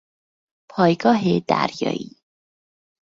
پایگاه دریایی